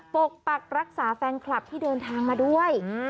ปกปักรักษาแฟนคลับที่เดินทางมาด้วย